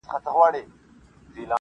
دوی مو د کلي د ډیوې اثر په کاڼو ولي!